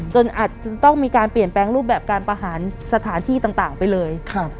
อาจจะต้องมีการเปลี่ยนแปลงรูปแบบการประหารสถานที่ต่างไปเลย